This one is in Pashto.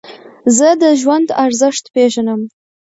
زه د ژوند ارزښت پېژنم.